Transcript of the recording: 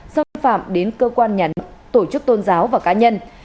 xác định phạm đến cơ quan nhà nữ tổ chức tôn giáo và cá nhân